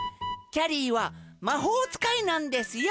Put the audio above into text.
ゃりーはまほうつかいなんですよ。